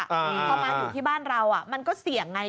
พอมาอยู่ที่บ้านเรามันก็เสี่ยงไง